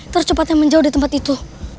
terus cepatnya menjauh di tempat itu